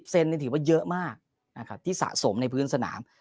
เซนถือว่าเยอะมากนะครับที่สะสมในพื้นสนาม